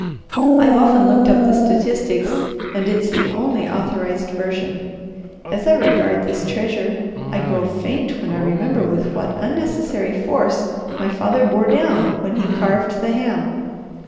I've often looked up the statistics and it's the only authorized version. As I regard this treasure, I grow faint when I remember with what unnecessary force my father bore down when he carved the ham.